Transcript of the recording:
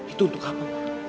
itu untuk kamu